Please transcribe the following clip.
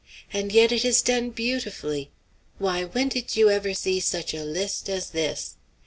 And yet it has done beautifully! Why, when did you ever see such a list as this?"